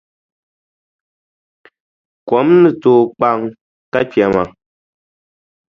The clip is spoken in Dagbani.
Kom ni tooi kpaŋ ka kpɛma.